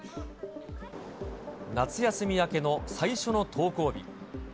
夏休み明けの最初の登校日。